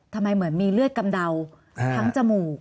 เหมือนมีเลือดกำเดาทั้งจมูก